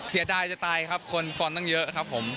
เสียดายจะตายครับคนฟอนตั้งเยอะครับผม